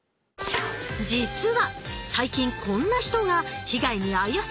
実は最近こんな人が被害に遭いやすいんだって！